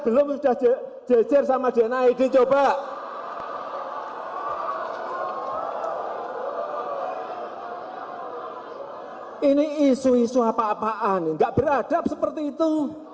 ini sudah jejer sama dna ini coba ini isu isu apa apaan enggak beradab seperti itu